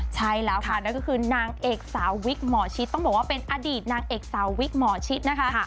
ใช่แล้วค่ะนั่นก็คือนางเอกสาววิกหมอชิดต้องบอกว่าเป็นอดีตนางเอกสาววิกหมอชิดนะคะ